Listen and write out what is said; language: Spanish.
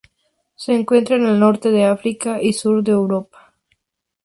Se encuentra en el Norte de África y Sur de Europa.